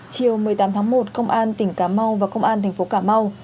chiều một mươi tám tháng một công an tỉnh cà mau và công an thành phố cà mau